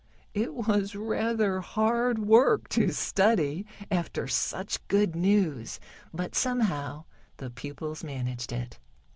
It was rather hard work to study after such good news, but, somehow, the pupils managed it.